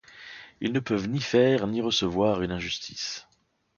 Ils ne peuvent ni faire ni recevoir une injustice.